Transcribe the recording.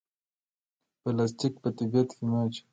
پلاستیک په طبیعت کې مه اچوئ